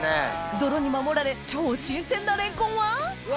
泥に守られ超新鮮なレンコンは・うわ！